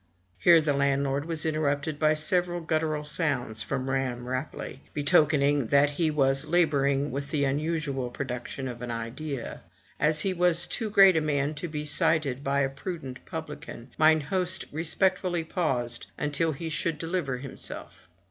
Here the landlord was interrupted by several gutteral sounds from Ramm Rapelye, betokening that he was laboring with the unusual production of an idea. As he was too great a man to be slighted by a prudent publican, mine host respectfully paused until he should deliver himself.